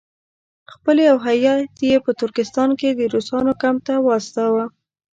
خپل یو هیات یې په ترکستان کې د روسانو کمپ ته واستاوه.